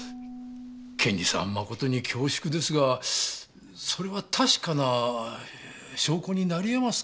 検事さん誠に恐縮ですがそれは確かな証拠になりえますか？